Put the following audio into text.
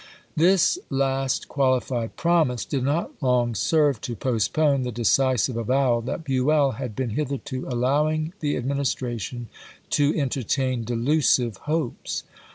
This last qualified promise did not long serve to postpone the decisive avowal that Buell had been hitherto allowing the Administration to entertain delusive hopes.